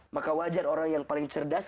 maka wajar orang yang paling cerdas